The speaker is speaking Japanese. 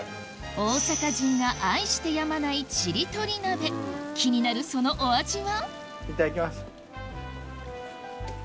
大阪人が愛してやまないちりとり鍋気になるいただきます。